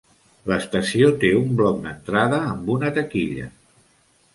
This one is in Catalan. L'estació té un bloc d'entrada amb una taquilla.